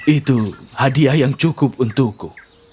itu hadiah yang cukup untukku